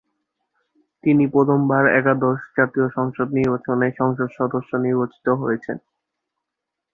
তিনি প্রথম বার একাদশ জাতীয় সংসদ নির্বাচনে সংসদ সদস্য নির্বাচিত হয়েছেন।